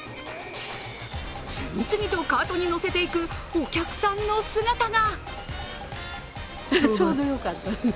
次々とカートに載せていくお客さんの姿が。